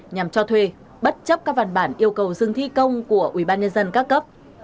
nhằm cho thuê bất chấp các văn bản yêu cầu dừng thi công của ubnd các cấp